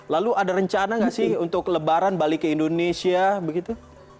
lalu ada rencana nggak sih untuk lebaran balik ke indonesia begitu